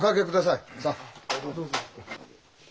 さあ。